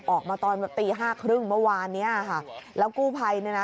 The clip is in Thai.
ออกมาตอนตีห้าครึ่งเมื่อวานเนี้ยค่ะแล้วกู้ภัยเนี่ยนะ